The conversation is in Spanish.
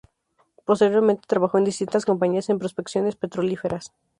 Posteriormente trabajó en distintas compañías en prospecciones petrolíferas.